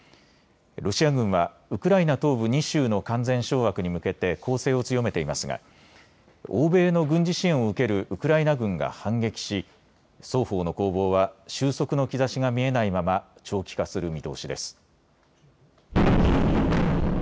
ロシア軍はウクライナ東部２州の完全掌握に向けて攻勢を強めていますが欧米の軍事支援を受けるウクライナ軍が反撃し双方の攻防は収束の兆しが見えないまま長期化する見通しです。